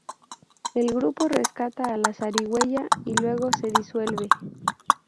El grupo rescata a la zarigüeya y luego se disuelve.